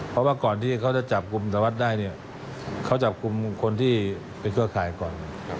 เพราะว่าก่อนที่เขาจะจับกลุ่มสารวัตรได้เนี่ยเขาจับกลุ่มคนที่เป็นเครือข่ายก่อน